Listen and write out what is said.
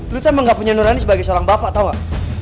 luta emang gak punya nurani sebagai seorang bapak atau gak